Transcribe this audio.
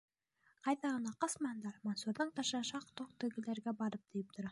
Ҡайҙа ғына ҡасмаһындар, Мансурҙың ташы шаҡ-тоҡ тегеләргә барып тейеп тора.